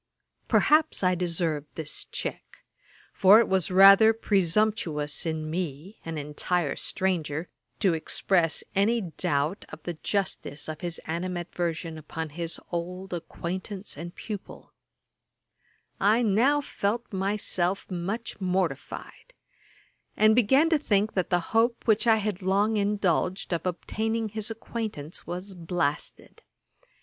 Perhaps I deserved this check; for it was rather presumptuous in me, an entire stranger, to express any doubt of the justice of his animadversion upon his old acquaintance and pupil. I now felt myself much mortified, and began to think that the hope which I had long indulged of obtaining his acquaintance was blasted.